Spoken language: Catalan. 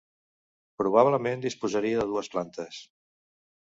Probablement disposaria de dues plantes.